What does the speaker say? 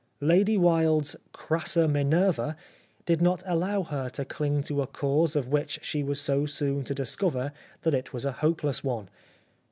Lady Wilde's crassa Minerva did not allow her to cling to a cause of which she was so soon to discover that it was a hopeless one.